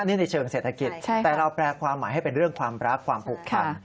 อันนี้ในเชิงเศรษฐกิจแต่เราแปลความหมายให้เป็นเรื่องความรักความผูกพัน